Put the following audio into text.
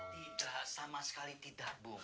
tidak sama sekali tidak boleh